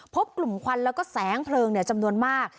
พบกลุ่มควันแล้วก็แสงเพลิงจำนวนมาก